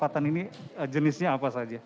kepatan ini jenisnya apa saja